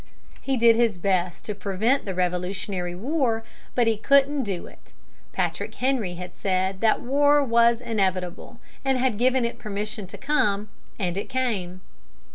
He did his best to prevent the Revolutionary War, but he couldn't do it. Patrick Henry had said that the war was inevitable, and had given it permission to come, and it came.